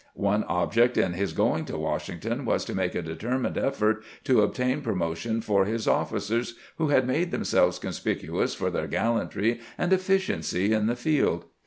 One object in his going to Washington was to make a determined effort to obtain promotion for his officers who had made them selves conspicuous for their gallantry and efficiency in the field.